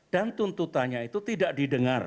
dan tuntutannya itu tidak didengar